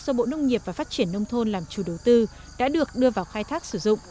do bộ nông nghiệp và phát triển nông thôn làm chủ đầu tư đã được đưa vào khai thác sử dụng